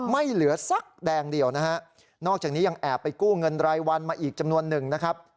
ไม่เหลือสักแดงเดียวนะฮะนอกจากนี้ยังแอบไปกู้เงินรายวันมาอีกจำนวนหนึ่งนะครับ